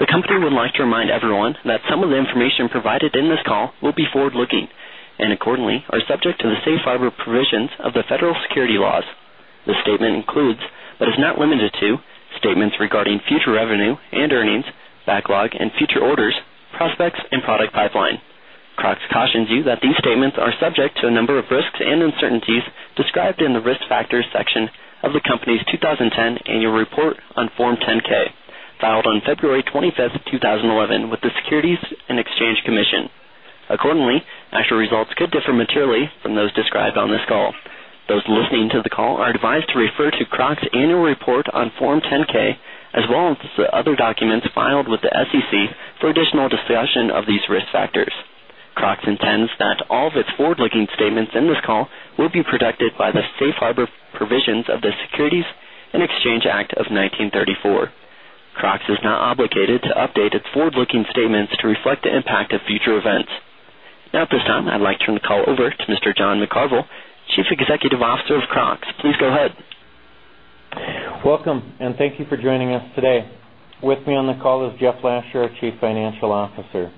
The company would like to remind everyone that some of the information provided in this call will be forward-looking and accordingly are subject to the Safe Harbor provisions of the federal security laws. This statement includes, but is not limited to, statements regarding future revenue and earnings, backlog and future orders, prospects and product pipeline. Crocs cautions you that these statements are subject to a number of risks and uncertainties described in the Risk Factors section of the company's 2010 annual report on Form 10-K filed on February 25, 2011, with the Securities and Exchange Commission. Accordingly, actual results could differ materially from those described on this call. Those listening to the call are advised to refer to Crocs' annual report on Form 10-K as well as the other documents filed with the SEC for additional discussion of these risk factors. Crocs intends that all of its forward-looking statements in this call will be protected by the Safe Harbor provisions of the Securities and Exchange Act of 1934. Crocs is not obligated to update its forward-looking statements to reflect the impact of future events. Now at this time, I'd like to turn the call over to Mr. John McCarvel, Chief Executive Officer of Crocs. Please go ahead. Welcome, and thank you for joining us today. With me on the call is Jeff Lasher, our Chief Financial Officer.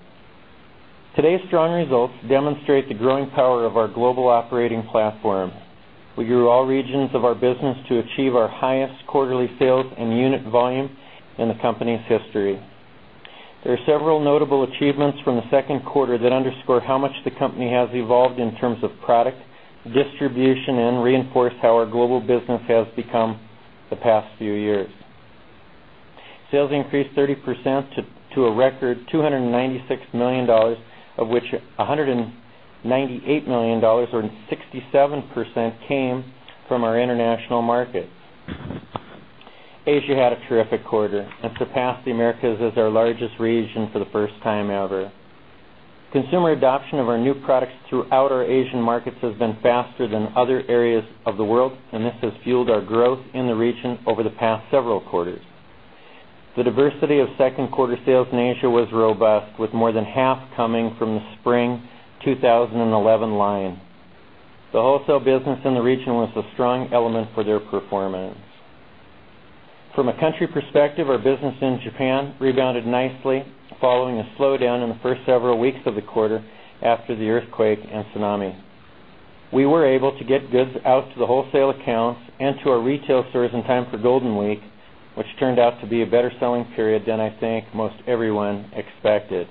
Today's strong results demonstrate the growing power of our global operating platform. We grew all regions of our business to achieve our highest quarterly sales and unit volume in the company's history. There are several notable achievements from the second quarter that underscore how much the company has evolved in terms of product, distribution, and reinforce how our global business has become the past few years. Sales increased 30% to a record $296 million, of which $198 million, or 67% came from our international market. Asia had a terrific quarter and surpassed the Americas as our largest region for the first time ever. Consumer adoption of our new products throughout our Asian markets has been faster than other areas of the world, and this has fueled our growth in the region over the past several quarters. The diversity of second-quarter sales in Asia was robust, with more than half coming from the spring 2011 line. The wholesale business in the region was a strong element for their performance. From a country perspective, our business in Japan rebounded nicely following a slowdown in the first several weeks of the quarter after the earthquake and tsunami. We were able to get goods out to the wholesale accounts and to our retail stores in time for Golden Week, which turned out to be a better selling period than I think most everyone expected.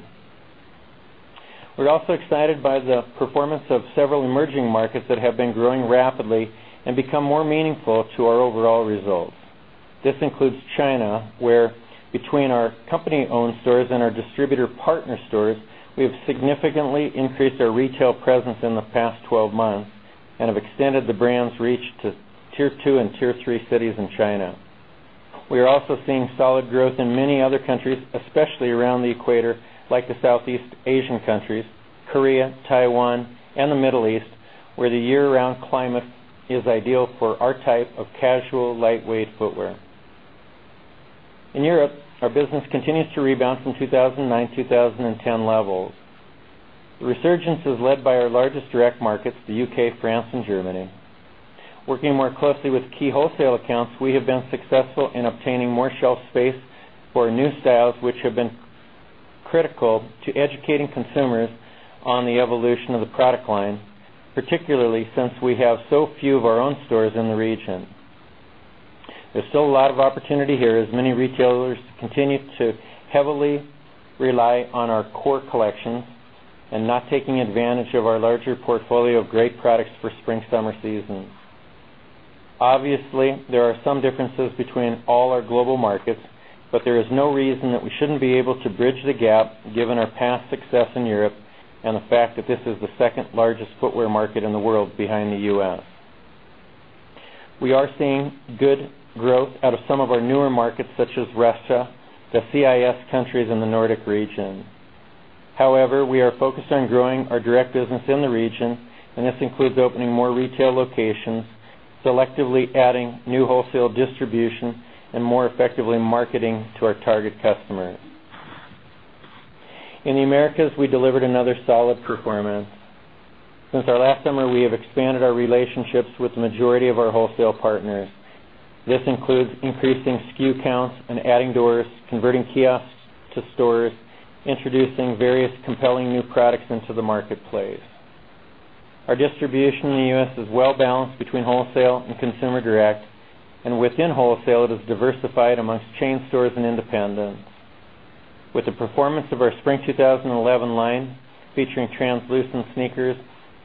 We're also excited by the performance of several emerging markets that have been growing rapidly and become more meaningful to our overall result. This includes China, where between our company-owned stores and our distributor partner stores, we have significantly increased our retail presence in the past 12 months and have extended the brand's reach to tier two and tier three cities in China. We are also seeing solid growth in many other countries, especially around the equator, like the Southeast Asian countries, Korea, Taiwan, and the Middle East, where the year-round climate is ideal for our type of casual, lightweight footwear. In Europe, our business continues to rebound from 2009-2010 levels. The resurgence is led by our largest direct markets, the U.K., France, and Germany. Working more closely with key wholesale accounts, we have been successful in obtaining more shelf space for new styles, which have been critical to educating consumers on the evolution of the product line, particularly since we have so few of our own stores in the region. There's still a lot of opportunity here as many retailers continue to heavily rely on our core collections and not taking advantage of our larger portfolio of great products for spring, summer season. Obviously, there are some differences between all our global markets, but there is no reason that we shouldn't be able to bridge the gap given our past success in Europe and the fact that this is the second largest footwear market in the world behind the U.S. We are seeing good growth out of some of our newer markets, such as Russia, the CIS countries in the Nordic region. However, we are focused on growing our direct business in the region, and this includes opening more retail locations, selectively adding new wholesale distribution, and more effectively marketing to our target customers. In the Americas, we delivered another solid performance. Since our last summer, we have expanded our relationships with the majority of our wholesale partners. This includes increasing skew counts and adding doors, converting kiosks to stores, introducing various compelling new products into the marketplace. Our distribution in the U.S. is well balanced between wholesale and consumer direct, and within wholesale, it is diversified amongst chain stores and independents. With the performance of our spring 2011 line featuring translucent sneakers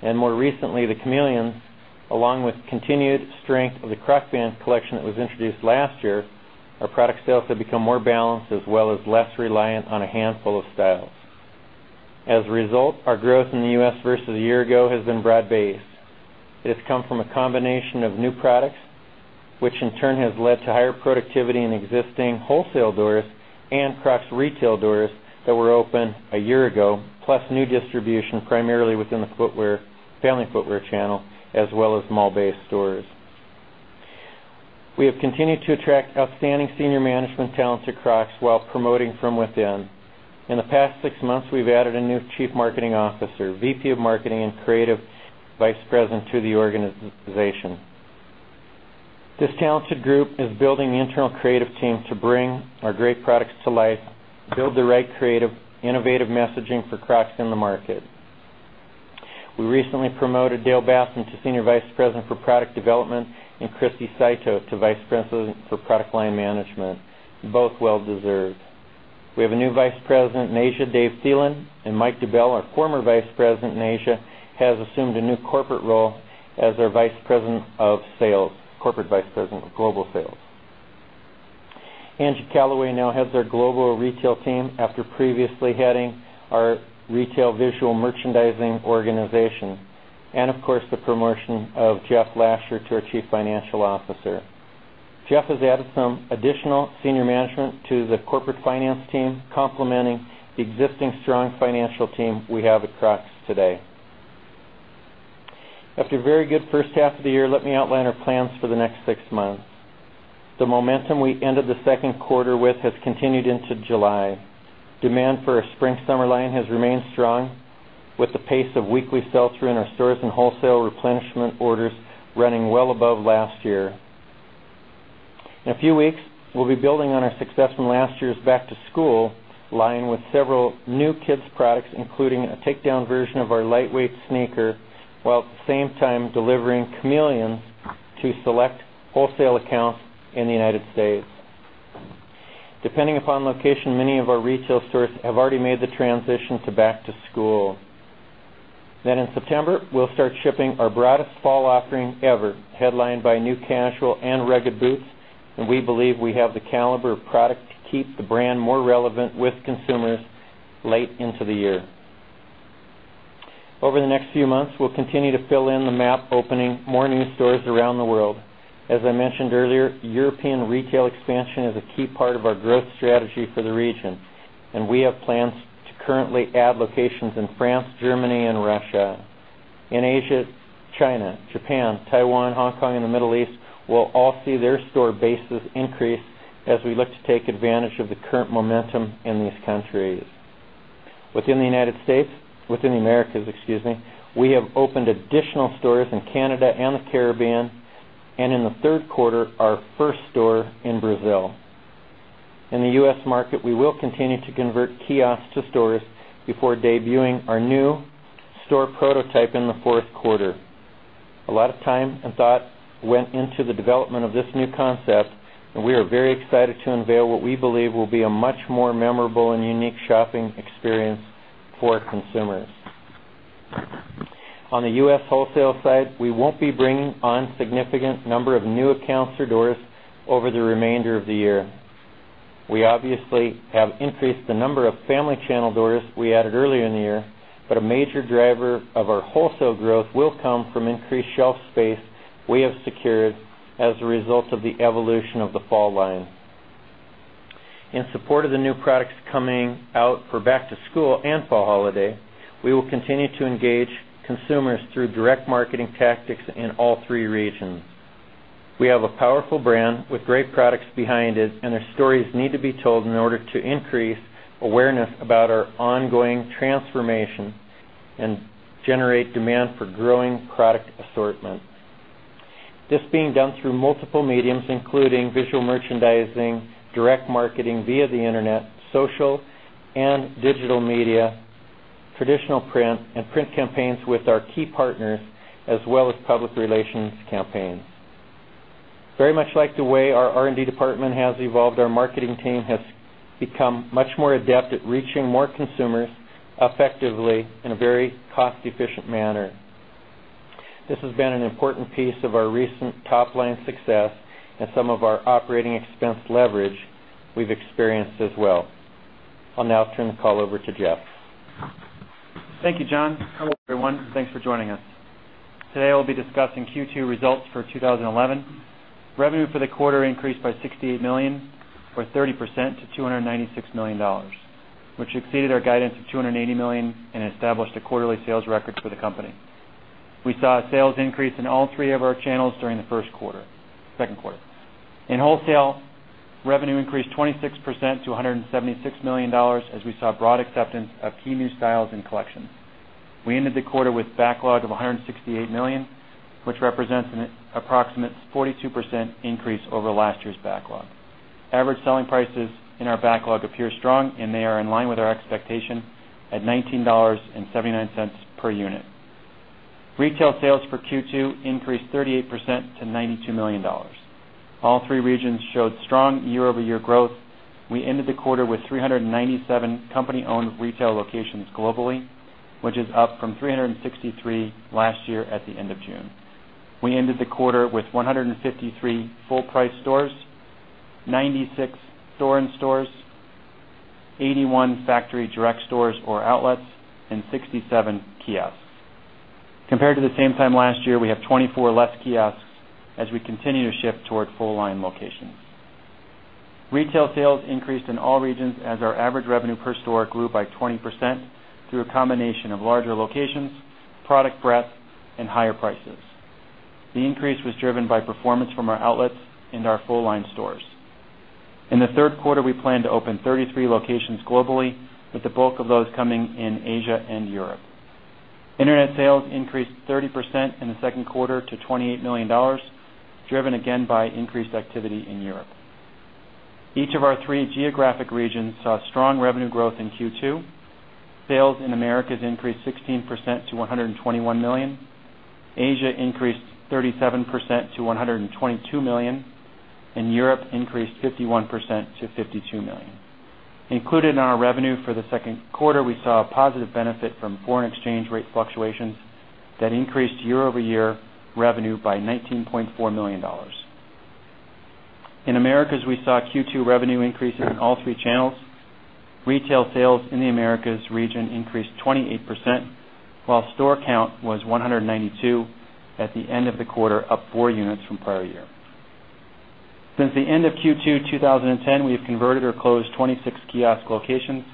and more recently the Chameleon, along with continued strength of the Crocband collection that was introduced last year, our product sales have become more balanced as well as less reliant on a handful of styles. As a result, our growth in the U.S. versus a year ago has been broad-based. This comes from a combination of new products, which in turn has led to higher productivity in existing wholesale doors and Crocs retail doors that were open a year ago, plus new distribution primarily within the family footwear channel, as well as mall-based stores. We have continued to attract outstanding senior management talent to Crocs while promoting from within. In the past six months, we've added a new Chief Marketing Officer, VP of Marketing, and Creative Vice President to the organization. This talented group is building the internal creative team to bring our great products to life, build the right creative, innovative messaging for Crocs in the market. We recently promoted Dale Bathum to Senior Vice President for Product Development and Christy Saito to Vice President for Product Line Management, both well deserved. We have a new Vice President in Asia, Dave Thielen, and Mike DeBell, our former Vice President in Asia, has assumed a new corporate role as our Vice President of Sales, Corporate Vice President of Global Sales. Angie Callaway now heads our global retail team after previously heading our retail visual merchandising organization, and of course, the promotion of Jeff Lasher to our Chief Financial Officer. Jeff has added some additional senior management to the corporate finance team, complementing the existing strong financial team we have at Crocs today. After a very good first half of the year, let me outline our plans for the next six months. The momentum we ended the second quarter with has continued into July. Demand for our spring, summer line has remained strong, with the pace of weekly sales through our stores and wholesale replenishment orders running well above last year. In a few weeks, we'll be building on our success from last year's back-to-school line with several new kids' products, including a take-down version of our lightweight sneaker, while at the same time delivering chameleons to select wholesale accounts in the United States. Depending upon location, many of our retail stores have already made the transition to back-to-school. In September, we'll start shipping our broadest fall offering ever, headlined by new casual and rugged boots, and we believe we have the caliber of product to keep the brand more relevant with consumers late into the year. Over the next few months, we'll continue to fill in the map, opening more new stores around the world. As I mentioned earlier, European retail expansion is a key part of our growth strategy for the region, and we have plans to currently add locations in France, Germany, and Russia. In Asia, China, Japan, Taiwan, Hong Kong, and the Middle East will all see their store bases increase as we look to take advantage of the current momentum in these countries. Within the United States, within the Americas, excuse me, we have opened additional stores in Canada and the Caribbean, and in the third quarter, our first store in Brazil. In the U.S. market, we will continue to convert kiosks to stores before debuting our new store prototype in the fourth quarter. A lot of time and thought went into the development of this new concept, and we are very excited to unveil what we believe will be a much more memorable and unique shopping experience for consumers. On the U.S. wholesale side, we won't be bringing on a significant number of new accounts or doors over the remainder of the year. We obviously have increased the number of family channel doors we added earlier in the year, but a major driver of our wholesale growth will come from increased shelf space we have secured as a result of the evolution of the fall line. In support of the new products coming out for back-to-school and fall holiday, we will continue to engage consumers through direct marketing tactics in all three regions. We have a powerful brand with great products behind it, and our stories need to be told in order to increase awareness about our ongoing transformation and generate demand for growing product assortment. This is being done through multiple mediums, including visual merchandising, direct marketing via the internet, social and digital media, traditional print, and print campaigns with our key partners, as well as public relations campaigns. Very much like the way our R&D department has evolved, our marketing team has become much more adept at reaching more consumers effectively in a very cost-efficient manner. This has been an important piece of our recent top-line success and some of our operating expense leverage we've experienced as well. I'll now turn the call over to Jeff. Thank you, John. Hello, everyone, and thanks for joining us. Today, we'll be discussing Q2 results for 2011. Revenue for the quarter increased by $68 million, or 30%, to $296 million, which exceeded our guidance of $280 million and established a quarterly sales record for the company. We saw a sales increase in all three of our channels during the first quarter, second quarter. In wholesale, revenue increased 26% to $176 million, as we saw broad acceptance of key new styles and collections. We ended the quarter with a backlog of $168 million, which represents an approximate 42% increase over last year's backlog. Average selling prices in our backlog appear strong, and they are in line with our expectation at $19.79 per unit. Retail sales for Q2 increased 38% to $92 million. All three regions showed strong year-over-year growth. We ended the quarter with 397 company-owned retail locations globally, which is up from 363 last year at the end of June. We ended the quarter with 153 full-price stores, 96 store-in stores, 81 factory direct stores or outlets, and 67 kiosks. Compared to the same time last year, we have 24 less kiosks as we continue to shift toward full-line locations. Retail sales increased in all regions as our average revenue per store grew by 20% through a combination of larger locations, product breadth, and higher prices. The increase was driven by performance from our outlets and our full-line stores. In the third quarter, we plan to open 33 locations globally, with the bulk of those coming in Asia and Europe. Internet sales increased 30% in the second quarter to $28 million, driven again by increased activity in Europe. Each of our three geographic regions saw strong revenue growth in Q2. Sales in the Americas increased 16% to $121 million. Asia increased 37% to $122 million, and Europe increased 51% to $52 million. Included in our revenue for the second quarter, we saw a positive benefit from foreign exchange rate fluctuations that increased year-over-year revenue by $19.4 million. In the Americas, we saw Q2 revenue increase in all three channels. Retail sales in the Americas region increased 28%, while store count was 192 at the end of the quarter, up four units from prior year. Since the end of Q2 2010, we have converted or closed 26 kiosk locations,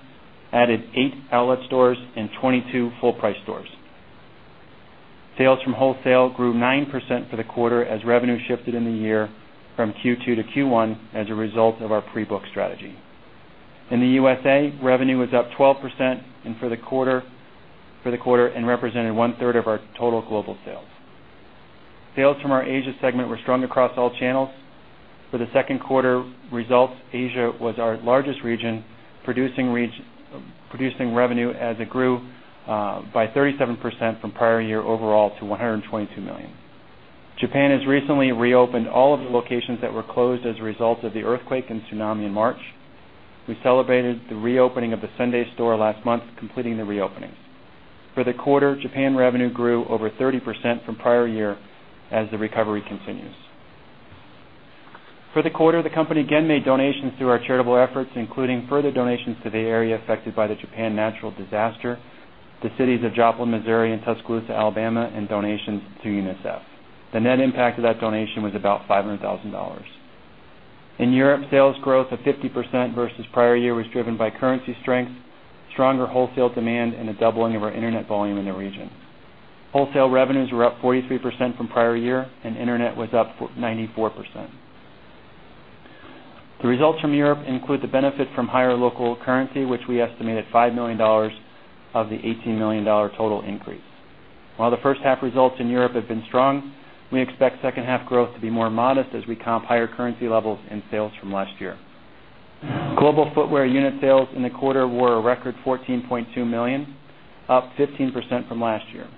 added eight outlet stores, and 22 full-price stores. Sales from wholesale grew 9% for the quarter as revenue shifted in the year from Q2-Q1 as a result of our pre-book strategy. In the U.S.A. revenue was up 12% for the quarter and represented 1/3 of our total global sales. Sales from our Asia segment were strong across all channels. For the second quarter results, Asia was our largest region, producing revenue as it grew by 37% from prior year overall to $122 million. Japan has recently reopened all of the locations that were closed as a result of the earthquake and tsunami in March. We celebrated the reopening of the Sunday store last month, completing the reopening. For the quarter, Japan revenue grew over 30% from prior year as the recovery continues. For the quarter, the company again made donations through our charitable efforts, including further donations to the area affected by the Japan natural disaster, the cities of Joplin, Missouri, and Tuscaloosa, Alabama, and donations to UNICEF. The net impact of that donation was about $500,000. In Europe, sales growth of 50% versus prior year was driven by currency strength, stronger wholesale demand, and a doubling of our internet volume in the region. Wholesale revenues were up 43% from prior year, and internet was up 94%. The results from Europe include the benefit from higher local currency, which we estimate at $5 million of the $18 million total increase. While the first half results in Europe have been strong, we expect second half growth to be more modest as we comp higher currency levels and sales from last year. Global footwear unit sales in the quarter were a record 14.2 million, up 15% from last year.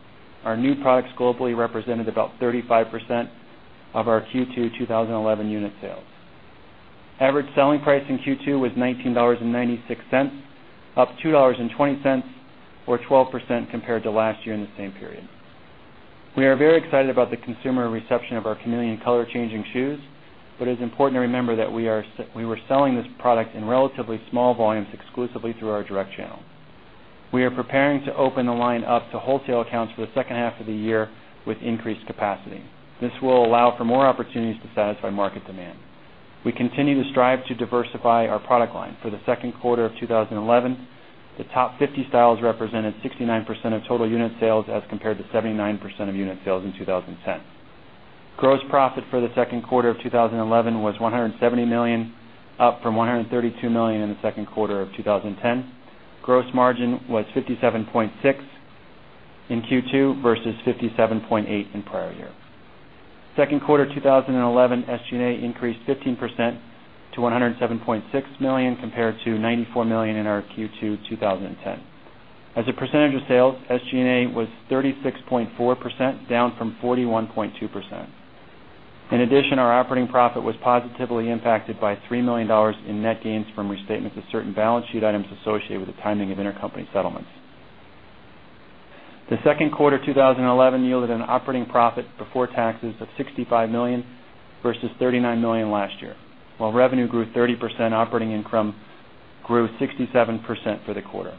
Our new products globally represented about 35% of our Q2 2011 unit sales. Average selling price in Q2 was $19.96, up $2.20, or 12% compared to last year in the same period. We are very excited about the consumer reception of our Chameleon color-changing shoes, but it is important to remember that we were selling this product in relatively small volumes exclusively through our direct channel. We are preparing to open the line up to wholesale accounts for the second half of the year with increased capacity. This will allow for more opportunities to satisfy market demand. We continue to strive to diversify our product line. For the second quarter of 2011, the top 50 styles represented 69% of total unit sales as compared to 79% of unit sales in 2010. Gross profit for the second quarter of 2011 was $170 million, up from $132 million in the second quarter of 2010. Gross margin was 57.6% in Q2 versus 57.8% in prior year. Second quarter 2011, SG&A increased 15% to $107.6 million compared to $94 million in our Q2 2010. As a percentage of sales, SG&A was 36.4%, down from 41.2%. In addition, our operating profit was positively impacted by $3 million in net gains from restatements of certain balance sheet items associated with the timing of intercompany settlements. The second quarter 2011 yielded an operating profit before taxes of $65 million versus $39 million last year, while revenue grew 30%, operating income grew 67% for the quarter.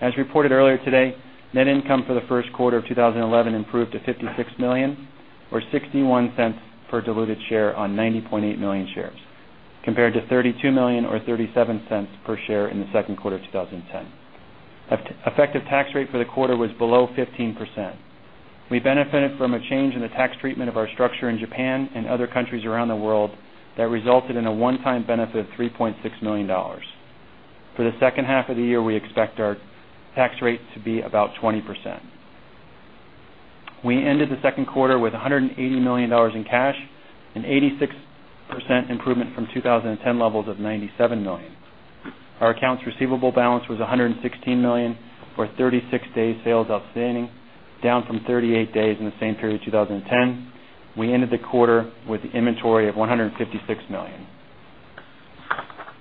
As reported earlier today, net income for the first quarter of 2011 improved to $56 million, or $0.61 per diluted share on 90.8 million shares, compared to $32 million or $0.37 per share in the second quarter of 2010. The effective tax rate for the quarter was below 15%. We benefited from a change in the tax treatment of our structure in Japan and other countries around the world that resulted in a one-time benefit of $3.6 million. For the second half of the year, we expect our tax rate to be about 20%. We ended the second quarter with $180 million in cash, an 86% improvement from 2010 levels of $97 million. Our accounts receivable balance was $116 million, or 36 days sales outstanding, down from 38 days in the same period of 2010. We ended the quarter with an inventory of $156 million.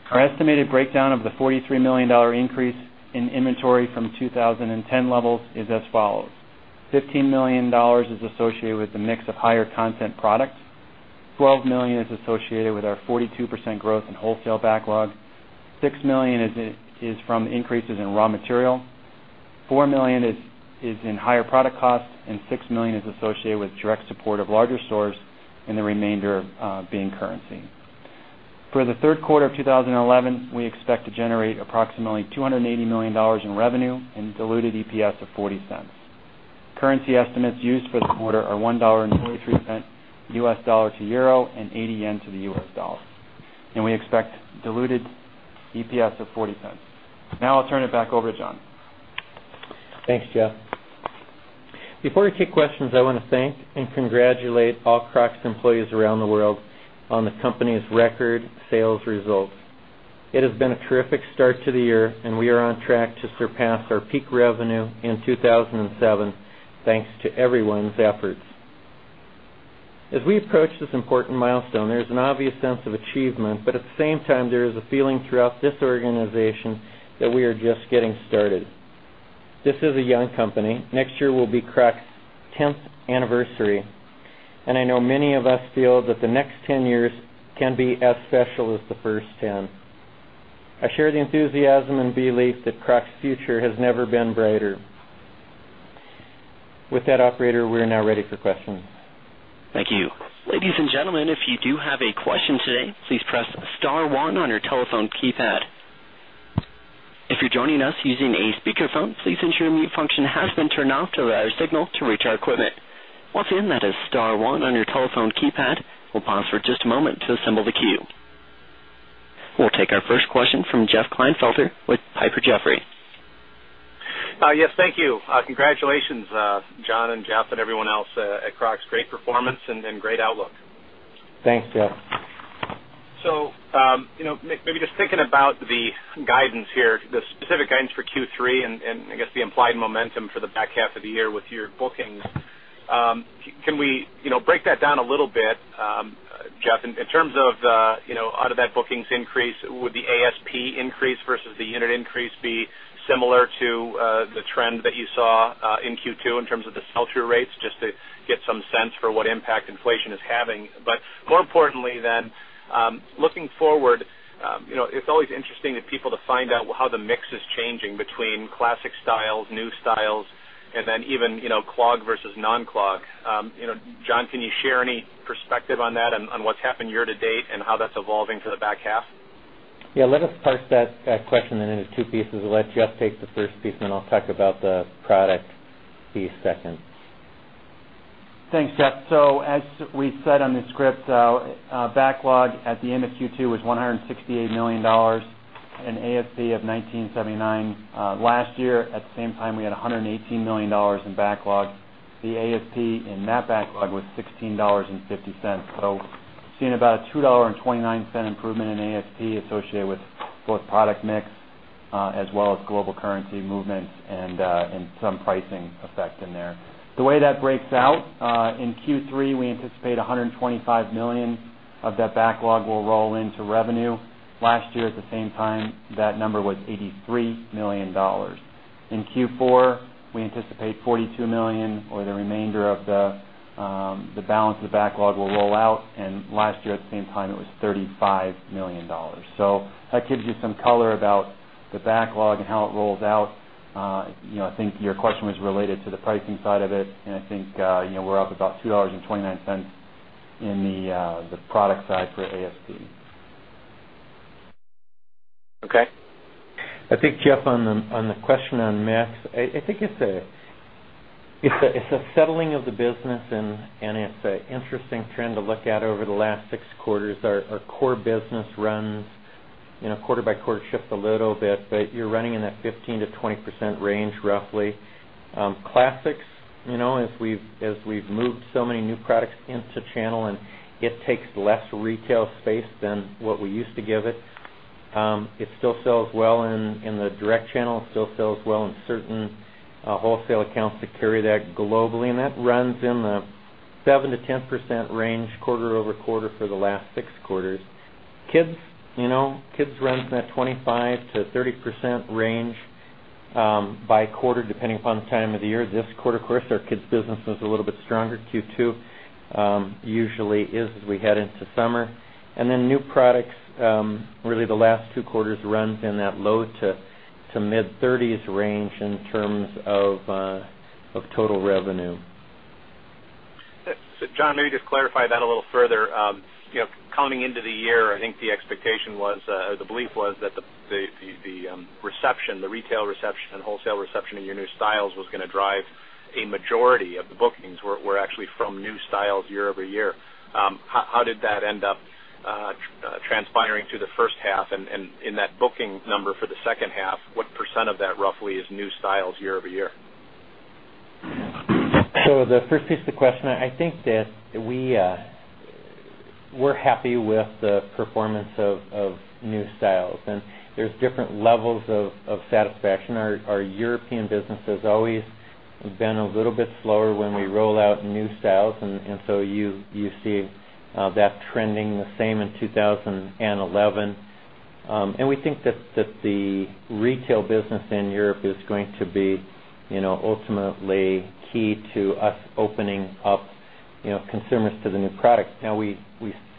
Our estimated breakdown of the $43 million increase in inventory from 2010 levels is as follows: $15 million is associated with the mix of higher content product, $12 million is associated with our 42% growth in wholesale backlog, $6 million is from increases in raw material, $4 million is in higher product costs, and $6 million is associated with direct support of larger stores, and the remainder being currency. For the third quarter of 2011, we expect to generate approximately $280 million in revenue and a diluted EPS of $0.40. Currency estimates used for the quarter are $1.43, US dollar to euro and 80 yen to the US dollar, and we expect a diluted EPS of $0.40. Now I'll turn it back over to John. Thanks, Jeff. Before we take questions, I want to thank and congratulate all Crocs employees around the world on the company's record sales results. It has been a terrific start to the year, and we are on track to surpass our peak revenue in 2007, thanks to everyone's efforts. As we approach this important milestone, there's an obvious sense of achievement, but at the same time, there is a feeling throughout this organization that we are just getting started. This is a young company. Next year will be Crocs' 10th anniversary, and I know many of us feel that the next 10 years can be as special as the first 10. I share the enthusiasm and belief that Crocs' future has never been brighter. With that, operator, we are now ready for questions. Thank you. Ladies and gentlemen, if you do have a question today, please press star one on your telephone keypad. If you're joining us using a speakerphone, please ensure the mute function has been turned off to allow your signal to reach our equipment. Once in, that is star one on your telephone keypad. We'll pause for just a moment to assemble the queue. We'll take our first question from Jeff Klinefelter with PiperJaffray. Yes, thank you. Congratulations, John and Jeff and everyone else at Crocs. Great performance and great outlook. Thanks, Jeff. You know, maybe just thinking about the guidance here, the specific guidance for Q3 and I guess the implied momentum for the back half of the year with your bookings, can we break that down a little bit, Jeff, in terms of out of that bookings increase, would the ASP increase versus the unit increase be similar to the trend that you saw in Q2 in terms of the sell-through rates, just to get some sense for what impact inflation is having? More importantly, looking forward, it's always interesting to people to find out how the mix is changing between classic styles, new styles, and then even clog versus non-clog. John, can you share any perspective on that and on what's happened year to date and how that's evolving for the back half? Let us parse that question into two pieces. I'll let Jeff take the first piece, and then I'll talk about the product piece second. Thanks, Jeff. As we said on the script, the backlog at the end of Q2 was $168 million and ASP of $19.79. Last year, at the same time, we had $118 million in backlog. The ASP in that backlog was $16.50. We are seeing about a $2.29 improvement in ASP associated with both product mix as well as global currency movements and some pricing effect in there. The way that breaks out, in Q3, we anticipate $125 million of that backlog will roll into revenue. Last year, at the same time, that number was $83 million. In Q4, we anticipate $42 million, or the remainder of the balance of the backlog will roll out, and last year, at the same time, it was $35 million. That gives you some color about the backlog and how it rolls out. I think your question was related to the pricing side of it, and I think we're up about $2.29 in the product side for ASP. Okay. I think, Jeff, on the question on mix, I think it's a settling of the business, and it's an interesting trend to look at over the last six quarters. Our core business runs, you know, quarter by quarter shift a little bit, but you're running in that 15%-20% range, roughly. Classics, you know, as we've moved so many new products into channel, and it takes less retail space than what we used to give it. It still sells well in the direct channel, still sells well in certain wholesale accounts that carry that globally, and that runs in the 7%-10% range quarter-over-quarter for the last six quarters. Kids, you know, kids run in that 25%-30% range by quarter, depending upon the time of the year. This quarter, of course, our kids' business was a little bit stronger. Q2 usually is as we head into summer. New products, really the last two quarters run in that low to mid-30% range in terms of total revenue. John, maybe just clarify that a little further. You know, coming into the year, I think the expectation was, or the belief was that the reception, the retail reception and wholesale reception in your new styles was going to drive a majority of the bookings were actually from new styles year-over-year. How did that end up transpiring through the first half? In that booking number for the second half, what percent of that roughly is new styles year over year? The first piece of the question, I think that we're happy with the performance of new styles, and there's different levels of satisfaction. Our European business has always been a little bit slower when we roll out new styles, and you see that trending the same in 2011. We think that the retail business in Europe is going to be, you know, ultimately key to us opening up, you know, consumers to the new products. Now, we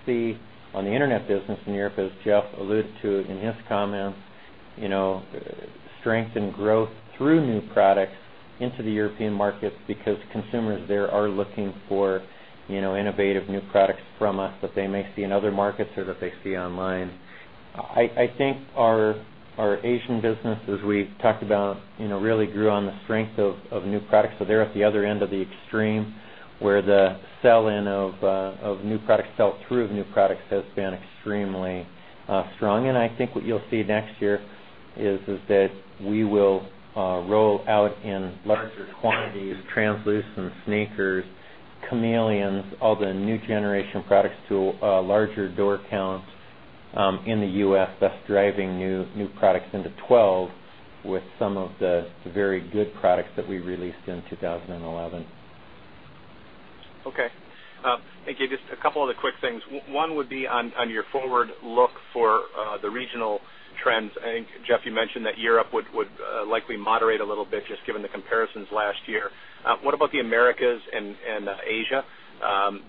see on the internet business in Europe, as Jeff alluded to in his comments, strength and growth through new products into the European markets because consumers there are looking for innovative new products from us that they may see in other markets or that they see online. I think our Asian business, as we talked about, really grew on the strength of new products. They're at the other end of the extreme where the sell-in of new products, sell-through of new products has been extremely strong. I think what you'll see next year is that we will roll out in luxury quantities, translucent sneakers, Chameleons, all the new generation products to a larger door count in the U.S. thus driving new products into 2012 with some of the very good products that we released in 2011. Okay. Thank you. Just a couple of other quick things. One would be on your forward look for the regional trends. I think, Jeff, you mentioned that Europe would likely moderate a little bit, just given the comparisons last year. What about the Americas and Asia?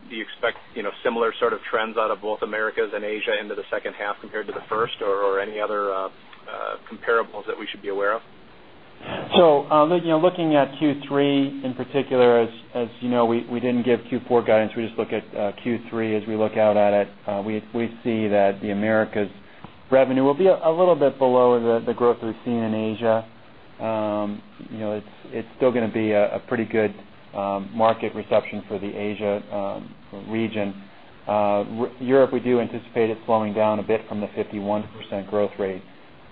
Do you expect similar sort of trends out of both Americas and Asia into the second half compared to the first, or any other comparables that we should be aware of? Looking at Q3 in particular, as you know, we didn't give Q4 guidance. We just look at Q3 as we look out at it. We see that the Americas' revenue will be a little bit below the growth we've seen in Asia. It's still going to be a pretty good market reception for the Asia region. Europe, we do anticipate it slowing down a bit from the 51% growth rate,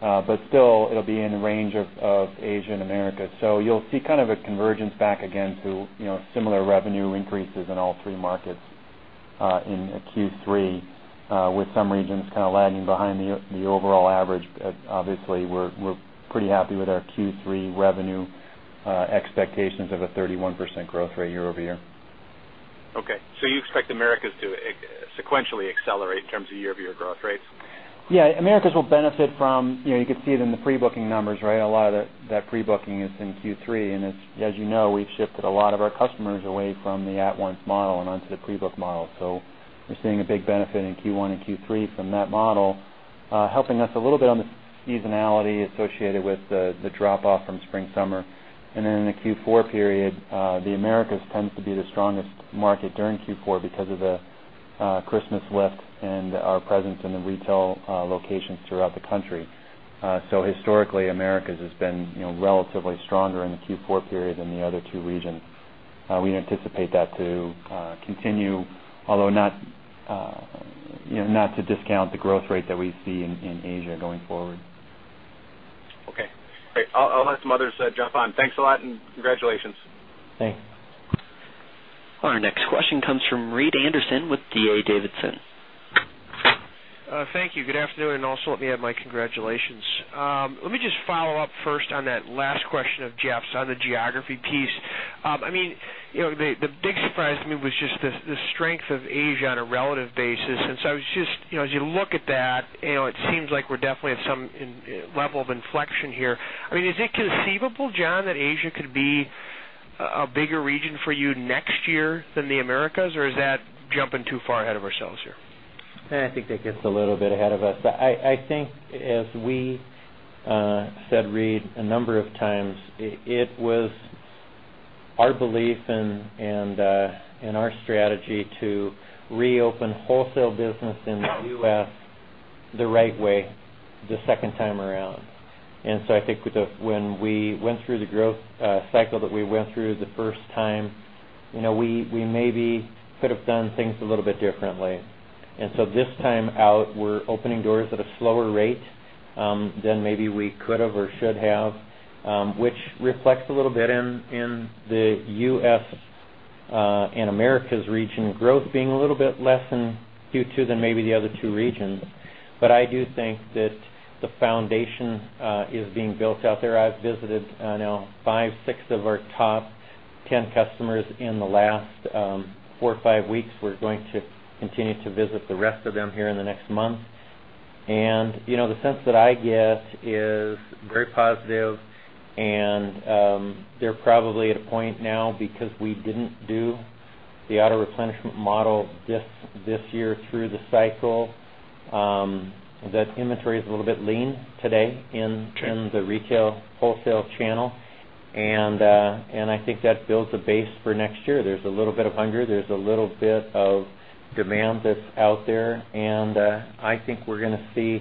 but still, it'll be in the range of Asia and America. You'll see kind of a convergence back again to similar revenue increases in all three markets in Q3, with some regions kind of lagging behind the overall average. Obviously, we're pretty happy with our Q3 revenue expectations of a 31% growth rate year-over-year. Okay, you expect the Americas to sequentially accelerate in terms of year-over-year growth rates? Americas will benefit from, you know, you could see it in the pre-booking numbers, right? A lot of that pre-booking is in Q3, and as you know, we've shifted a lot of our customers away from the at-once model and onto the pre-book model. We're seeing a big benefit in Q1 and Q3 from that model, helping us a little bit on the seasonality associated with the drop-off from spring, summer. In the Q4 period, the Americas tends to be the strongest market during Q4 because of the Christmas lift and our presence in the retail locations throughout the country. Historically, Americas has been, you know, relatively stronger in the Q4 period than the other two regions. We anticipate that to continue, although not to discount the growth rate that we see in Asia going forward. Okay. Great. I'll let some others jump on. Thanks a lot and congratulations. Thanks. Our next question comes from Reed Anderson with D.A. Davidson. Thank you. Good afternoon, and also let me add my congratulations. Let me just follow up first on that last question of Jeff's on the geography piece. The big surprise to me was just the strength of Asia on a relative basis. As you look at that, it seems like we're definitely at some level of inflection here. Is it conceivable, John, that Asia could be a bigger region for you next year than the Americas, or is that jumping too far ahead of ourselves here? I think that gets a little bit ahead of us. I think, as we said, Reed, a number of times, it was our belief and our strategy to reopen wholesale business in the U.S. the right way the second time around. I think when we went through the growth cycle that we went through the first time, we maybe could have done things a little bit differently. This time out, we're opening doors at a slower rate than maybe we could have or should have, which reflects a little bit in the U.S. and Americas region growth being a little bit less in Q2 than maybe the other two regions. I do think that the foundation is being built out there. I've visited five, six of our top 10 customers in the last four or five weeks. We're going to continue to visit the rest of them here in the next month. The sense that I get is very positive, and they're probably at a point now because we didn't do the auto-replenishment model this year through the cycle that inventory is a little bit lean today in the retail wholesale channel. I think that builds a base for next year. There's a little bit of hunger. There's a little bit of demand that's out there. I think we're going to see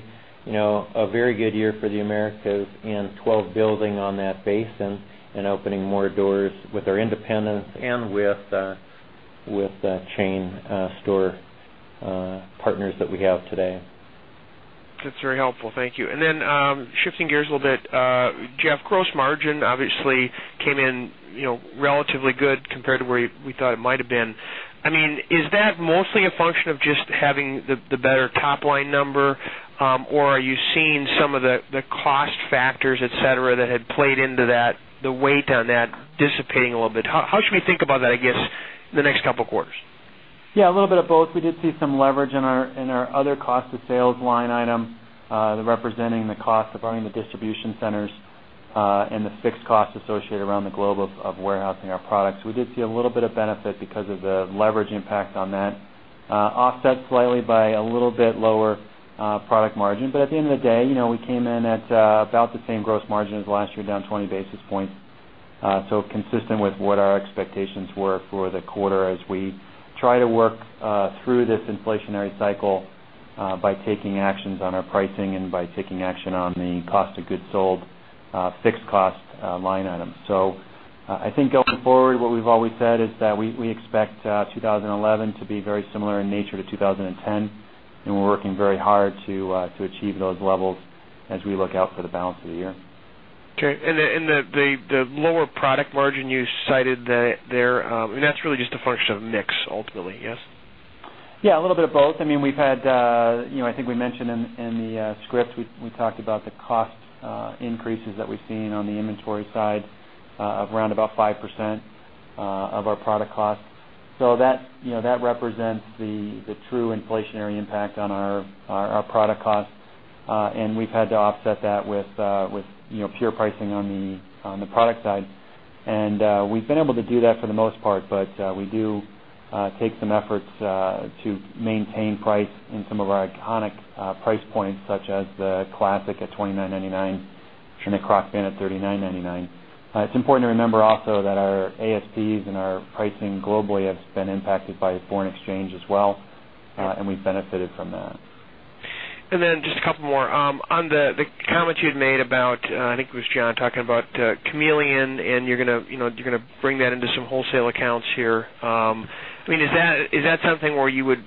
a very good year for the Americas in 2012, building on that base and opening more doors with our independent and with chain store partners that we have today. That's very helpful. Thank you. Shifting gears a little bit, Jeff, Crocs margin obviously came in relatively good compared to where we thought it might have been. Is that mostly a function of just having the better top line number, or are you seeing some of the cost factors that had played into that, the weight on that dissipating a little bit? How should we think about that, I guess, in the next couple of quarters? Yeah, a little bit of both. We did see some leverage in our other cost of sales line item, representing the cost of running the distribution centers and the fixed costs associated around the globe of warehousing our products. We did see a little bit of benefit because of the leverage impact on that, offset slightly by a little bit lower product margin. At the end of the day, we came in at about the same gross margin as last year, down 20 basis points. This was consistent with what our expectations were for the quarter as we try to work through this inflationary cycle by taking actions on our pricing and by taking action on the cost of goods sold, fixed cost line items. I think going forward, what we've always said is that we expect 2011 to be very similar in nature to 2010, and we're working very hard to achieve those levels as we look out for the balance of the year. Okay. The lower product margin you cited there, that's really just a function of mix ultimately, yes? Yeah, a little bit of both. I mean, we've had, you know, I think we mentioned in the scripts, we talked about the cost increases that we've seen on the inventory side of around about 5% of our product costs. That represents the true inflationary impact on our product costs. We've had to offset that with pure pricing on the product side, and we've been able to do that for the most part. We do take some efforts to maintain price in some of our iconic price points, such as the Classic at $29.99 and the Crocs Van at $39.99. It's important to remember also that our ASPs and our pricing globally have been impacted by foreign exchange as well, and we've benefited from that. On the comment you had made about, I think it was John talking about Chameleon, and you're going to bring that into some wholesale accounts here. Is that something where you would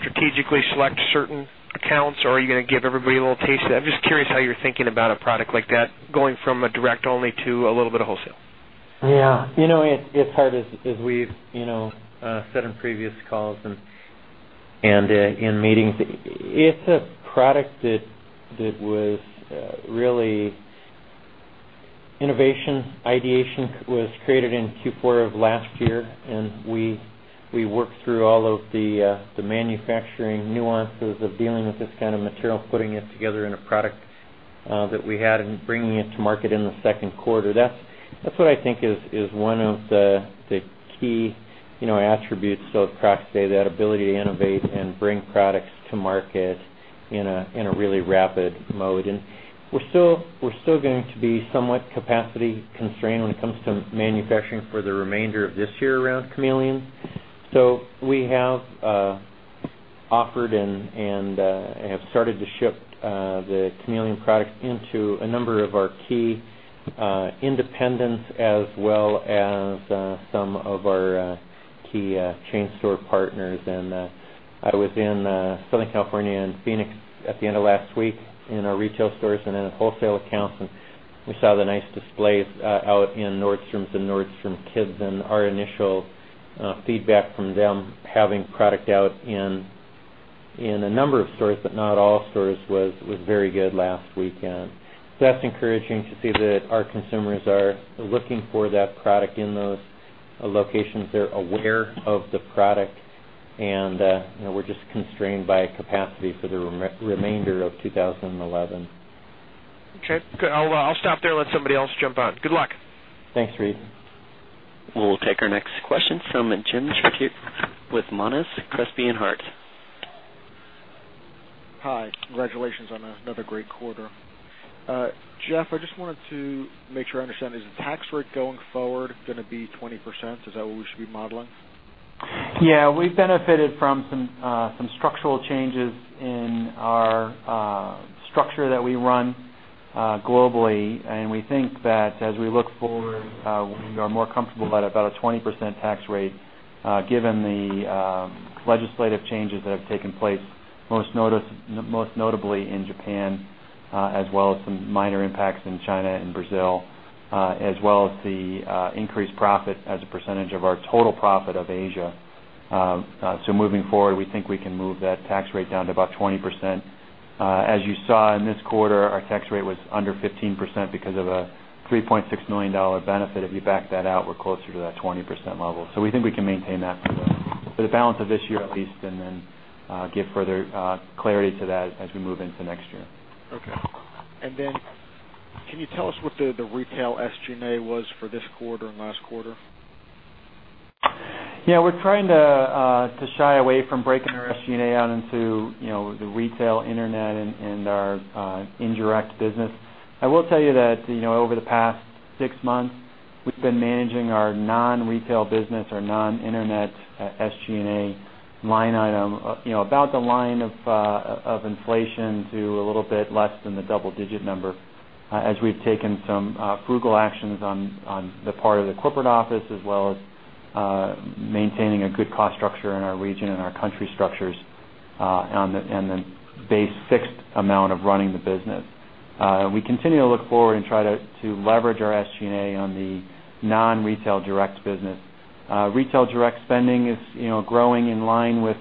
strategically select certain accounts, or are you going to give everybody a little taste? I'm just curious how you're thinking about a product like that going from a direct only to a little bit of wholesale. Yeah, you know, it's hard as we've said in previous calls and in meetings. It's a product that was really innovation. Ideation was created in Q4 of last year, and we worked through all of the manufacturing nuances of dealing with this kind of material, putting it together in a product that we had, and bringing it to market in the second quarter. That's what I think is one of the key attributes of Crocs, that ability to innovate and bring products to market in a really rapid mode. We're still going to be somewhat capacity constrained when it comes to manufacturing for the remainder of this year around Chameleon. We have offered and have started to ship the Chameleon product into a number of our key independents as well as some of our key chain store partners. I was in Southern California and Phoenix at the end of last week in our retail stores and in wholesale accounts, and we saw the nice displays out in Nordstrom and Nordstrom Kids, and our initial feedback from them having product out in a number of stores, but not all stores, was very good last weekend. That's encouraging to see that our consumers are looking for that product in those locations. They're aware of the product, and we're just constrained by capacity for the remainder of 2011. Okay, I'll stop there. Let somebody else jump on. Good luck. Thanks, Reed. We'll take our next question from Jim Chartier with Monness, Crespi & Hardt. Hi. Congratulations on another great quarter. Jeff, I just wanted to make sure I understand, is the tax rate going forward going to be 20%? Is that what we should be modeling? We've benefited from some structural changes in our structure that we run globally, and we think that as we look forward, we are more comfortable at about a 20% tax rate given the legislative changes that have taken place, most notably in Japan, as well as some minor impacts in China and Brazil, as well as the increased profit as a percentage of our total profit of Asia. Moving forward, we think we can move that tax rate down to about 20%. As you saw in this quarter, our tax rate was under 15% because of a $3.6 million benefit. If you back that out, we're closer to that 20% level. We think we can maintain that for the balance of this year at least, and then give further clarity to that as we move into next year. Okay. Can you tell us what the retail SG&A was for this quarter and last quarter? Yeah, we're trying to shy away from breaking our SG&A out into, you know, the retail internet and our indirect business. I will tell you that over the past six months, we've been managing our non-retail business, our non-internet SG&A line item, about the line of inflation to a little bit less than the double-digit number as we've taken some frugal actions on the part of the corporate office, as well as maintaining a good cost structure in our region and our country structures and the base fixed amount of running the business. We continue to look forward and try to leverage our SG&A on the non-retail direct business. Retail direct spending is growing in line with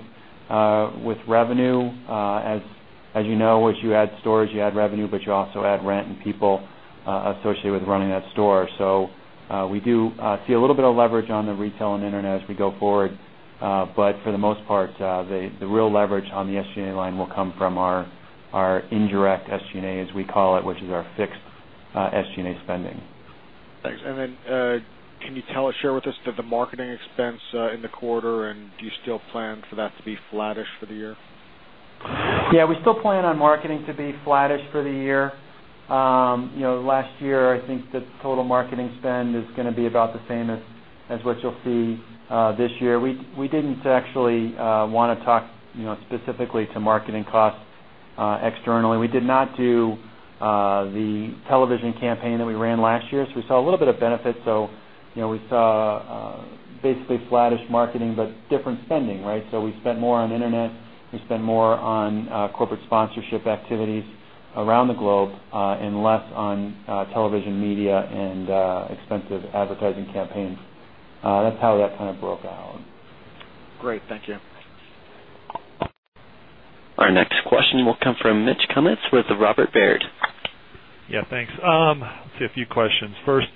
revenue. As you know, as you add stores, you add revenue, but you also add rent and people associated with running that store. We do see a little bit of leverage on the retail and internet as we go forward, but for the most part, the real leverage on the SG&A line will come from our indirect SG&A, as we call it, which is our fixed SG&A spending. Thanks. Can you tell us, share with us the marketing expense in the quarter, and do you still plan for that to be flattish for the year? Yeah, we still plan on marketing to be flattish for the year. Last year, I think the total marketing spend is going to be about the same as what you'll see this year. We didn't actually want to talk specifically to marketing costs externally. We did not do the television campaign that we ran last year, so we saw a little bit of benefit. We saw basically flattish marketing, but different spending, right? We spent more on the internet. We spent more on corporate sponsorship activities around the globe and less on television media and expensive advertising campaigns. That's how that kind of broke out. Great, thank you. Our next question will come from Mitch Kummet with Robert Baird. Yeah, thanks. Let's see, a few questions. First,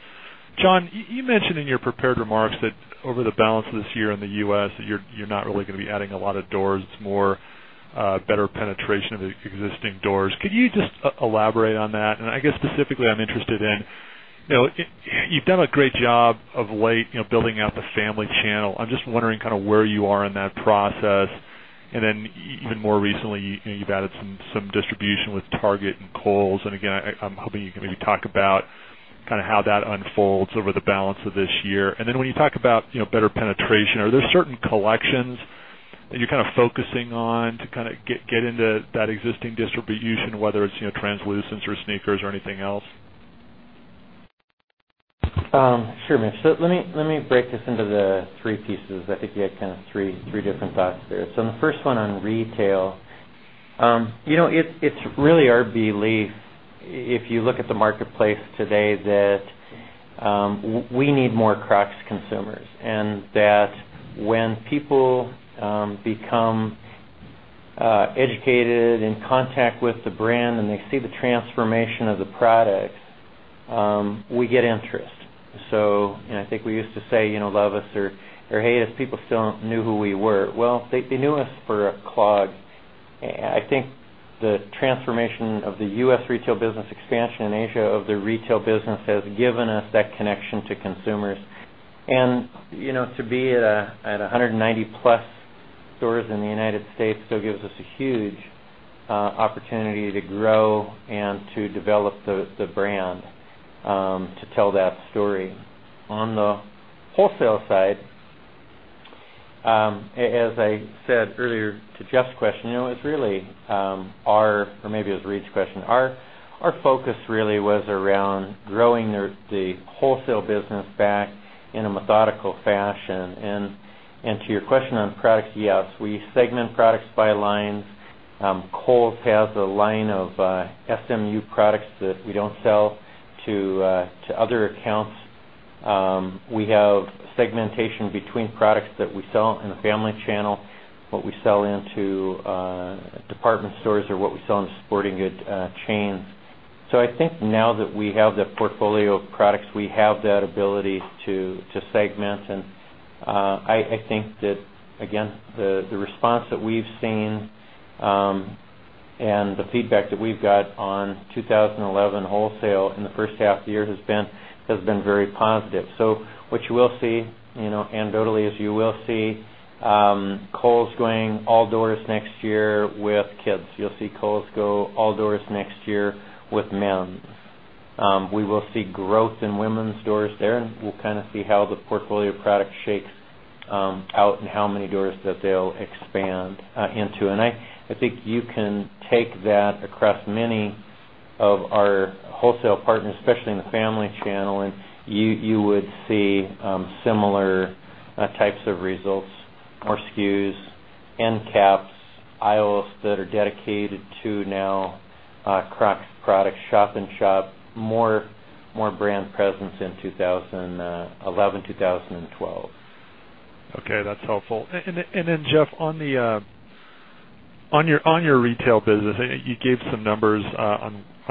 John, you mentioned in your prepared remarks that over the balance of this year in the U.S. you're not really going to be adding a lot of doors. It's more better penetration of the existing doors. Could you just elaborate on that? I guess specifically, I'm interested in, you know, you've done a great job of late, you know, building out the family channel. I'm just wondering kind of where you are in that process. Even more recently, you've added some distribution with Target and Kohl's. I'm hoping you can maybe talk about kind of how that unfolds over the balance of this year. When you talk about, you know, better penetration, are there certain collections that you're kind of focusing on to kind of get into that existing distribution, whether it's, you know, Chameleon line or translucent sneakers or anything else? Sure, Mitch. Let me break this into the three pieces. I think you had kind of three different thoughts there. The first one on retail, it's really our belief if you look at the marketplace today that we need more Crocs consumers and that when people become educated and in contact with the brand and they see the transformation of the product, we get interest. I think we used to say, you know, love us or hate us. People still knew who we were. They knew us for Clogs. I think the transformation of the U.S. retail business, expansion in Asia of the retail business, has given us that connection to consumers. To be at 190+ stores in the United States still gives us a huge opportunity to grow and to develop the brand to tell that story. On the wholesale side, as I said earlier to Jeff's question, or maybe it was Reed's question, our focus really was around growing the wholesale business back in a methodical fashion. To your question on product yields, we segment products by lines. Kohl's has a line of SMU products that we don't sell to other accounts. We have segmentation between products that we sell in the family channel, what we sell into department stores, or what we sell into sporting good chains. I think now that we have that portfolio of products, we have that ability to segment. The response that we've seen and the feedback that we've got on 2011 wholesale in the first half year has been very positive. What you will see anecdotally is you will see Kohl's going all doors next year with kids. You'll see Kohl's go all doors next year with men. We will see growth in women's doors there, and we'll kind of see how the portfolio product shakes out and how many doors that they'll expand into. I think you can take that across many of our wholesale partners, especially in the family channel, and you would see similar types of results, more skews, end caps, aisles that are dedicated to now Crocs products, shop and shop, more brand presence in 2011, 2012. Okay, that's helpful. Jeff, on your retail business, you gave some numbers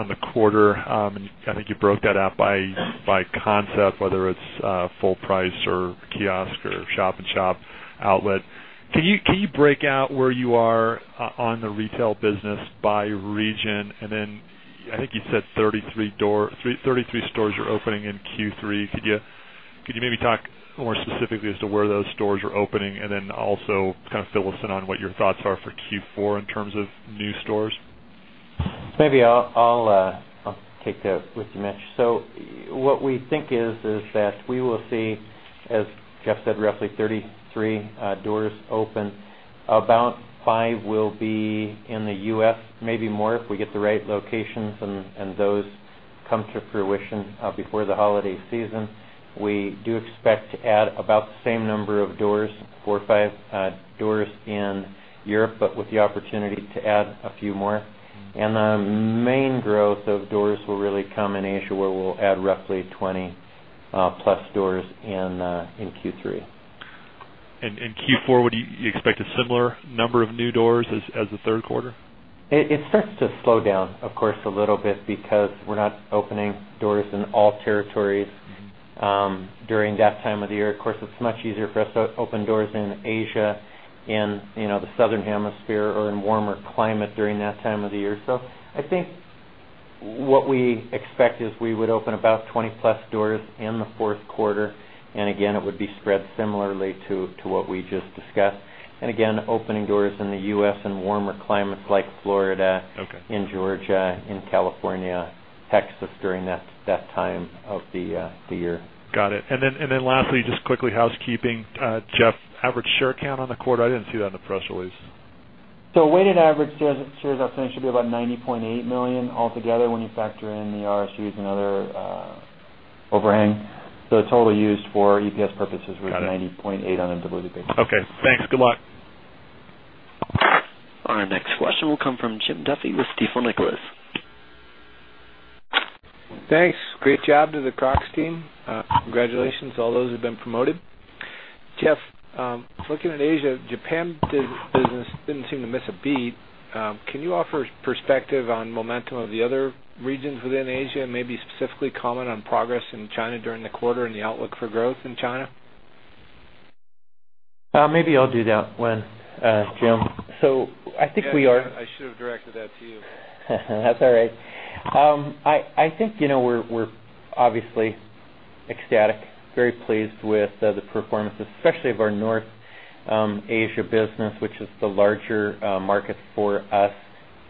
on the quarter, and I think you broke that out by concept, whether it's full price or kiosk or shop and shop outlet. Can you break out where you are on the retail business by region? I think you said 33 stores are opening in Q3. Could you maybe talk more specifically as to where those stores are opening? Also, kind of fill us in on what your thoughts are for Q4 in terms of new stores? Maybe I'll take that with you, Mitch. What we think is that we will see, as Jeff said, roughly 33 doors open. About five will be in the U.S. maybe more if we get the right locations and those come to fruition before the holiday season. We do expect to add about the same number of doors, four or five doors in Europe, with the opportunity to add a few more. The main growth of doors will really come in Asia, where we'll add roughly 20+ doors in Q3. In Q4, would you expect a similar number of new doors as the third quarter? It starts to slow down, of course, a little bit because we're not opening doors in all territories during that time of the year. It's much easier for us to open doors in Asia, in the southern hemisphere, or in warmer climate during that time of the year. I think what we expect is we would open about 20+ doors in the fourth quarter. It would be spread similarly to what we just discussed. Opening doors in the U.S. and warmer climates like Florida, Georgia, California, Texas during that time of the year. Got it. Lastly, just quickly housekeeping, Jeff, average share count on the quarter. I didn't see that in the press release. Weighted average shares outstanding should be about 90.8 million altogether when you factor in the RSUs and other overhang. Total used for EPS purposes would be 90.8 on an indivisible basis. Okay, thanks. Good luck. Our next question will come from Jim Duffy with Stifel Nicolaus. Thanks. Great job to the Crocs team. Congratulations to all those who've been promoted. Jeff, looking at Asia, Japan's business didn't seem to miss a beat. Can you offer a perspective on the momentum of the other regions within Asia and maybe specifically comment on progress in China during the quarter and the outlook for growth in China? Maybe I'll do that one, Jim. I think we are. I should have directed that to you. That's all right. I think we're obviously ecstatic, very pleased with the performance, especially of our North Asia business, which is the larger market for us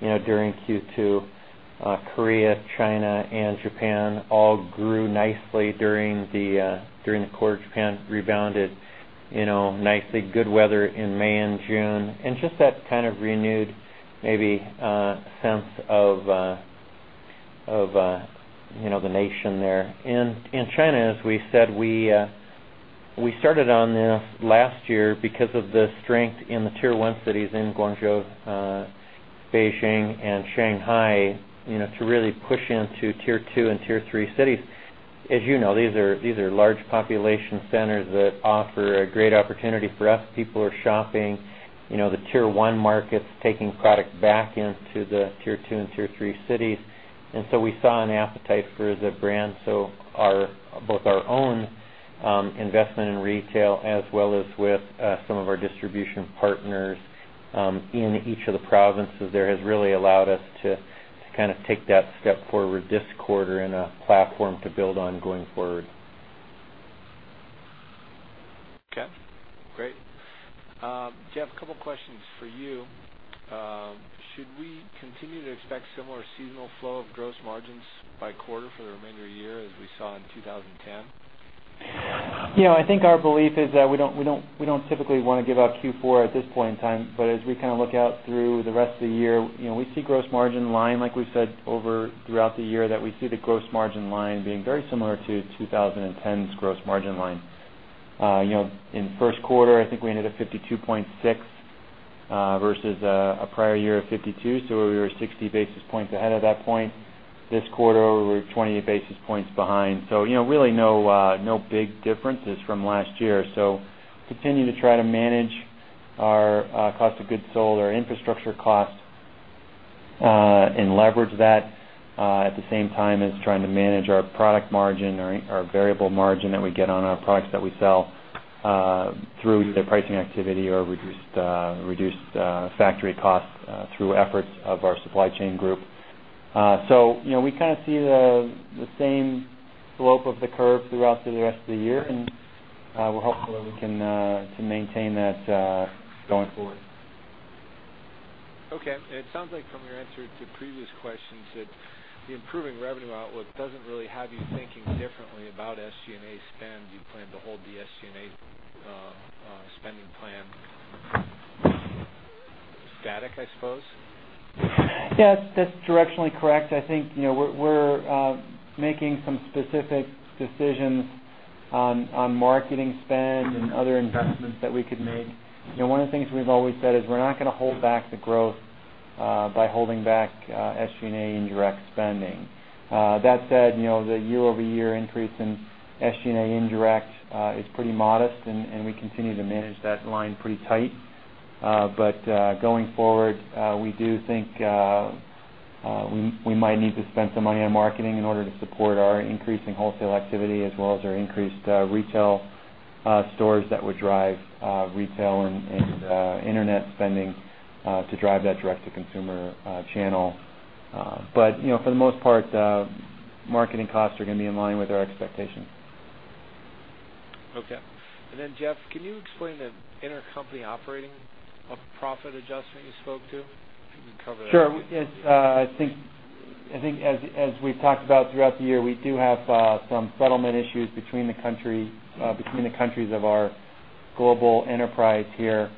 during Q2. Korea, China, and Japan all grew nicely during the quarter. Japan rebounded nicely. Good weather in May and June contributed to that kind of renewed maybe sense of the nation there. In China, as we said, we started on this last year because of the strength in the tier one cities in Guangzhou, Beijing, and Shanghai, to really push into tier two and tier three cities. As you know, these are large population centers that offer a great opportunity for us. People are shopping the tier one markets, taking product back into the tier two and tier three cities. We saw an appetite for the brand. Both our own investment in retail, as well as with some of our distribution partners in each of the provinces, has really allowed us to take that step forward this quarter and create a platform to build on going forward. Okay, great. Jeff, a couple of questions for you. Should we continue to expect similar seasonal flow of gross margins by quarter for the remainder of the year as we saw in 2010? I think our belief is that we don't typically want to give out Q4 at this point in time, but as we look out through the rest of the year, we see the gross margin line, like we've said throughout the year, that we see the gross margin line being very similar to 2010's gross margin line. In the first quarter, I think we ended at 52.6% versus a prior year of 52%. We were 60 basis points ahead at that point. This quarter, we were 28 basis points behind. Really, no big difference from last year. We continue to try to manage our cost of goods sold, our infrastructure costs, and leverage that at the same time as trying to manage our product margin, our variable margin that we get on our products that we sell through either pricing activity or reduced factory costs through efforts of our supply chain group. We see the same slope of the curve throughout the rest of the year, and we're hopeful that we can maintain that going forward. Okay. It sounds like from your answer to previous questions that the improving revenue outlook doesn't really have you thinking differently about SG&A spend. You plan to hold the SG&A spending plan static, I suppose? Yeah, that's directionally correct. I think we're making some specific decisions on marketing spend and other investments that we could make. One of the things we've always said is we're not going to hold back the growth by holding back SG&A indirect spending. That said, the year-over-year increase in SG&A indirect is pretty modest, and we continue to manage that line pretty tight. Going forward, we do think we might need to spend some money on marketing in order to support our increasing wholesale activity as well as our increased retail stores that would drive retail and internet spending to drive that direct-to-consumer channel. For the most part, marketing costs are going to be in line with our expectation. Okay. Jeff, can you explain the intercompany operating profit adjustment you spoke to? If you can cover that. Sure. I think, as we've talked about throughout the year, we do have some settlement issues between the countries of our global enterprise here.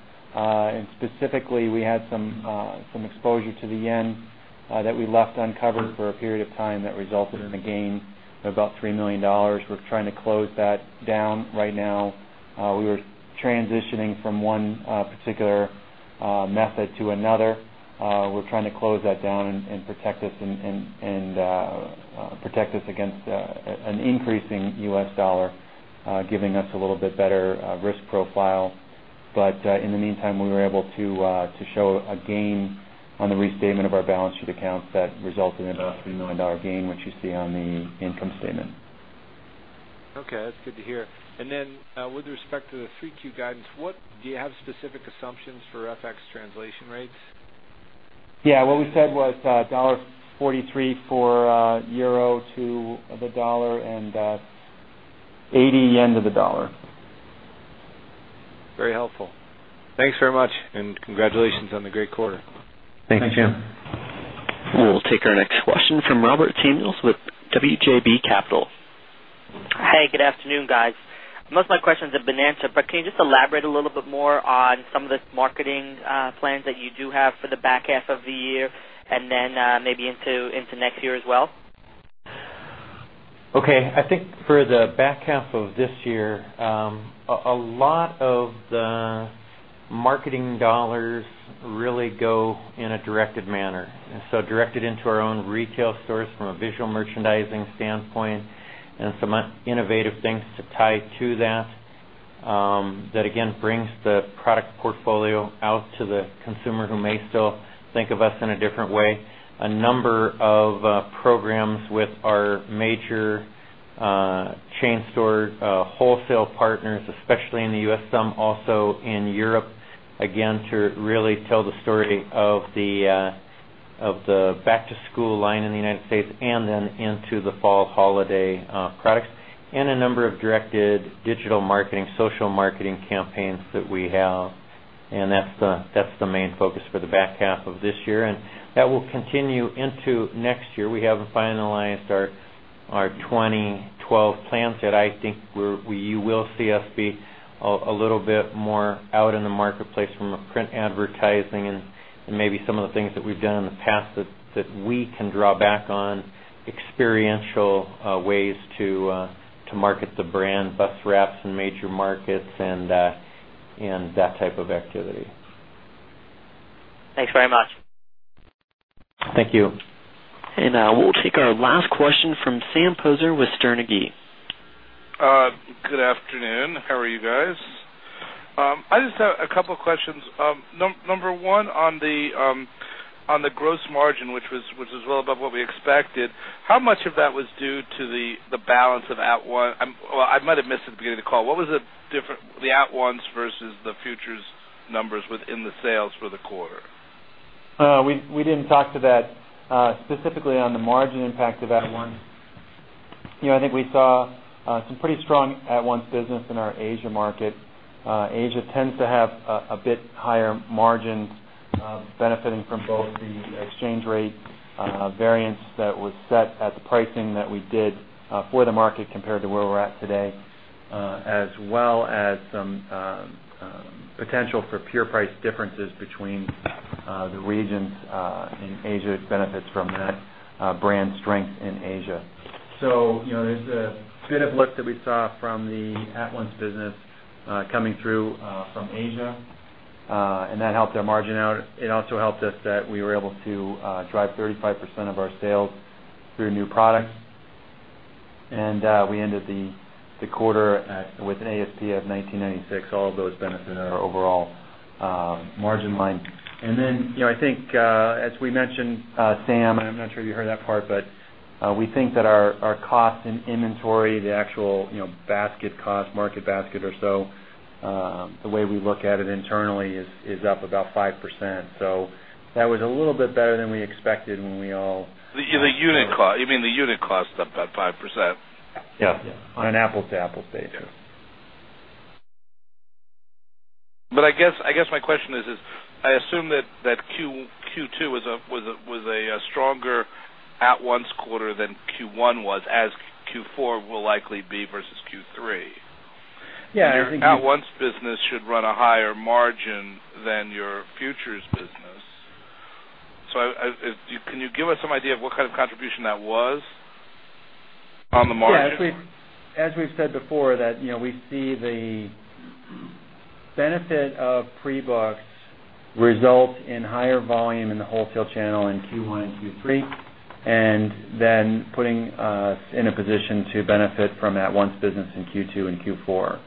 Specifically, we had some exposure to the yen that we left uncovered for a period of time that resulted in a gain of about $3 million. We're trying to close that down right now. We were transitioning from one particular method to another. We're trying to close that down and protect us against an increasing U.S. dollar, giving us a little bit better risk profile. In the meantime, we were able to show a gain on the restatement of our balance sheet accounts that resulted in a $3 million gain, which you see on the income statement. Okay, that's good to hear. With respect to the 3Q guidance, do you have specific assumptions for FX translation rates? Yeah, what we said was $1.43 for euro to the dollar and 80 yen to the dollar. Very helpful. Thanks very much, and congratulations on the great quarter. Thanks, Jim. We'll take our next question from Robert Samuels with WJB Capital. Hey, good afternoon, guys. Most of my questions have been answered, but can you just elaborate a little bit more on some of the marketing plans that you do have for the back half of the year and then maybe into next year as well? I think for the back half of this year, a lot of the marketing dollars really go in a directed manner. Directed into our own retail stores from a visual merchandising standpoint and some innovative things to tie to that that again brings the product portfolio out to the consumer who may still think of us in a different way. A number of programs with our major chain store wholesale partners, especially in the U.S. some also in Europe, again to really tell the story of the back-to-school line in the United States and then into the fall holiday products. A number of directed digital marketing, social marketing campaigns that we have. That's the main focus for the back half of this year. That will continue into next year. We haven't finalized our 2012 plans yet. I think you will see us be a little bit more out in the marketplace from print advertising and maybe some of the things that we've done in the past that we can draw back on, experiential ways to market the brand, bus wraps in major markets, and that type of activity. Thanks very much. Thank you. We will take our last question from Sam Poser with Sterne Agee. Good afternoon. How are you guys? I just have a couple of questions. Number one, on the gross margin, which was well above what we expected, how much of that was due to the balance of at-once? I might have missed it at the beginning of the call. What was the difference between the at-once versus the futures numbers within the sales for the quarter? We didn't talk to that specifically on the margin impact of at-once. I think we saw some pretty strong at-once business in our Asia market. Asia tends to have a bit higher margins, benefiting from both the exchange rate variance that was set at the pricing that we did for the market compared to where we're at today, as well as some potential for pure price differences between the regions in Asia that benefit from that brand strength in Asia. There's a bit of lift that we saw from the at-once business coming through from Asia, and that helped our margin out. It also helped us that we were able to drive 35% of our sales through new products. We ended the quarter with an ASP of $19.96. All of those benefit our overall margin line. I think, as we mentioned, Sam, and I'm not sure you heard that part, but we think that our cost in inventory, the actual basket cost, market basket or so, the way we look at it internally is up about 5%. That was a little bit better than we expected when we all... You mean the unit cost up about 5%? Yeah, on an apples to apples basis. I guess my question is, I assume that Q2 was a stronger at-once quarter than Q1 was, as Q4 will likely be versus Q3. Yeah. At-once business should run a higher margin than your futures business. Can you give us some idea of what kind of contribution that was on the margin? As we've said before, we see the benefit of pre-book results in higher volume in the wholesale channel in Q1 and Q3, putting us in a position to benefit from at-once business in Q2 and Q4.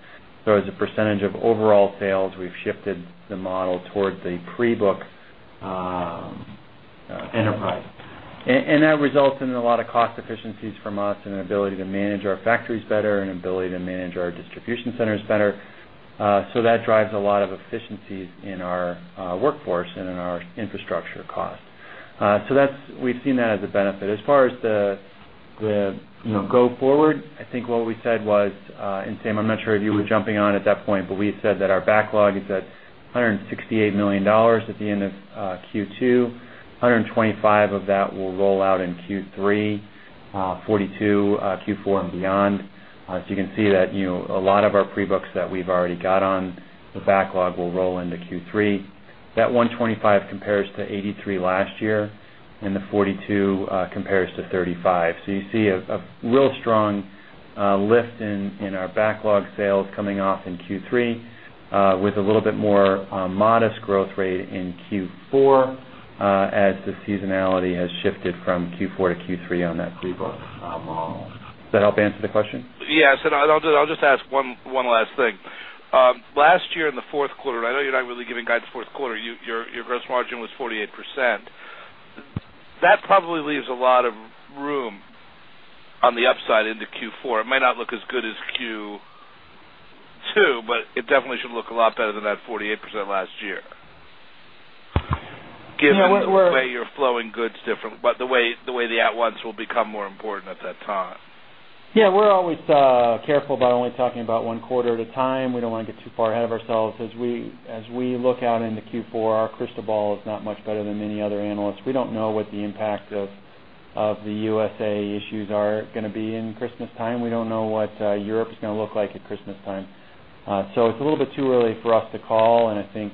As a percentage of overall sales, we've shifted the model toward the pre-book enterprise. That results in a lot of cost efficiencies for us and the ability to manage our factories better and the ability to manage our distribution centers better. That drives a lot of efficiencies in our workforce and in our infrastructure cost. We've seen that as a benefit. As far as the go forward, I think what we said was, and Sam, I'm not sure if you were jumping on at that point, but we said that our backlog is at $168 million at the end of Q2. $125 million of that will roll out in Q3, $42 million in Q4 and beyond. You can see that a lot of our pre-books that we've already got on the backlog will roll into Q3. That $125 million compares to $83 million last year, and the $42 million compares to $35 million. You see a real strong lift in our backlog sales coming off in Q3 with a little bit more modest growth rate in Q4 as the seasonality has shifted from Q4-Q3 on that pre-book model. Does that help answer the question? Yes, I'll just ask one last thing. Last year in the fourth quarter, and I know you're not really giving guidance fourth quarter, your gross margin was 48%. That probably leaves a lot of room on the upside into Q4. It might not look as good as Q2, but it definitely should look a lot better than that 48% last year. Yeah, we're... The way you're flowing goods differently, but the way the at-once will become more important at that time. Yeah, we're always careful about only talking about one quarter at a time. We don't want to get too far ahead of ourselves. As we look out into Q4, our crystal ball is not much better than many other analysts. We don't know what the impact of the U.S. issues are going to be in Christmas time. We don't know what Europe is going to look like at Christmas time. It's a little bit too early for us to call, and I think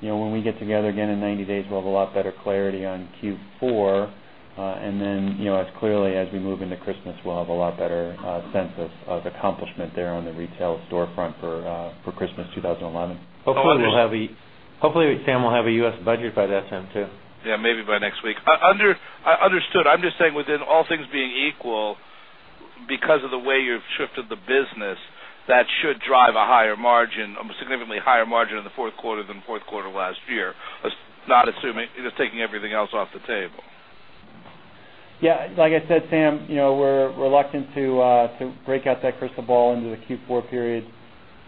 when we get together again in 90 days, we'll have a lot better clarity on Q4. As clearly as we move into Christmas, we'll have a lot better sense of accomplishment there on the retail storefront for Christmas 2011. Hopefully. Hopefully, Sam will have a U.S. budget by that time too. Maybe by next week. Understood. I'm just saying within all things being equal, because of the way you've shifted the business, that should drive a higher margin, a significantly higher margin in the fourth quarter than the fourth quarter last year, not assuming they're taking everything else off the table. Yeah, like I said, Sam, we're reluctant to break out that crystal ball into the Q4 period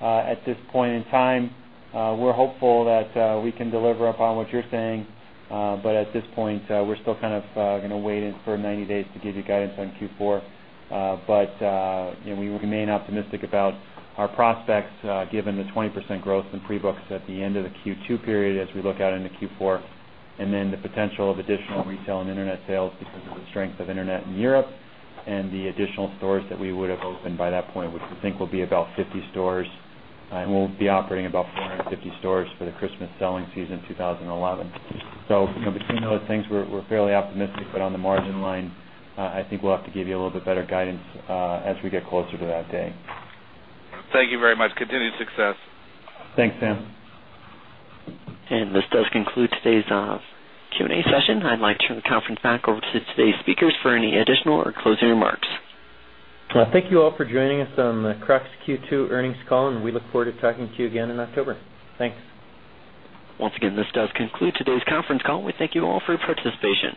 at this point in time. We're hopeful that we can deliver upon what you're saying, but at this point, we're still kind of going to wait for 90 days to give you guidance on Q4. We remain optimistic about our prospects given the 20% growth in pre-books at the end of the Q2 period as we look out into Q4, and then the potential of additional retail and internet sales because of the strength of internet in Europe and the additional stores that we would have opened by that point, which we think will be about 50 stores, and we'll be operating about 450 stores for the Christmas selling season 2011. Between those things, we're fairly optimistic, but on the margin line, I think we'll have to give you a little bit better guidance as we get closer to that day. Thank you very much. Continued success. Thanks, Sam. This does conclude today's Q&A session. I'd like to turn the conference back over to today's speakers for any additional or closing remarks. Thank you all for joining us on the Crocs Q2 earnings call, and we look forward to talking to you again in October. Thanks. Once again, this does conclude today's conference call. We thank you all for your participation.